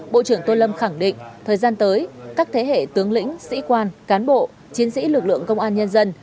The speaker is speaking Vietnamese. bộ trưởng tô lâm khẳng định thời gian tới các thế hệ tướng lĩnh sĩ quan cán bộ chiến sĩ lực lượng công an nhân dân